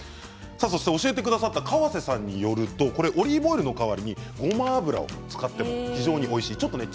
そして教えてくださった河瀬さんによるとオリーブオイルの代わりにごま油を使っても非常においしいそうです。